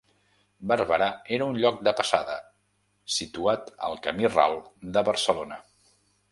Barberà era un lloc de passada, situat al camí ral de Barcelona.